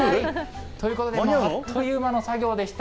ということであっという間の作業でした。